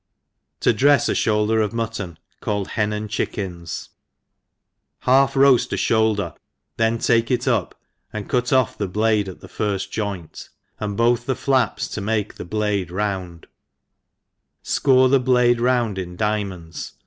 To drefs a Should.br of Muttoj^, calUd Hen and Chickens. HATlrF roaft a flipulder, then take It up, arid cut ofF the blade a'tHhe firftjomt, and 'both the flaps to make the blade round, fcore the blade» round ini diamonds